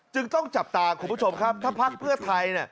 จึงต้องจับตาคุณผู้ชมครับถ้าพักเพื่อไทย